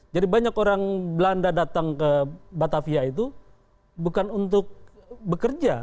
jadi banyak orang belanda datang ke batavia itu bukan untuk bekerja